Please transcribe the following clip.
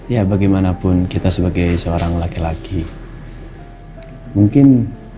ya bagaimanapun kita sebagai seorang laki laki mungkin